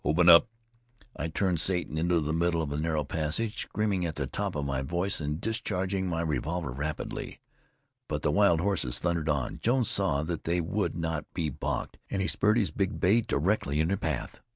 open up!" I turned Satan into the middle of the narrow passage, screaming at the top of my voice and discharging my revolver rapidly. But the wild horses thundered on. Jones saw that they would not now be balked, and he spurred his bay directly in their path.